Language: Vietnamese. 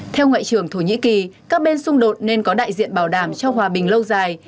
theo ngoại trưởng thổ nhĩ kỳ các bên xung đột nên có đại diện bảo đảm cho hòa bình lâu dài